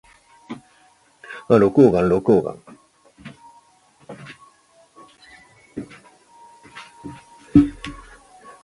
这都是有关他的经济思想的重要文献。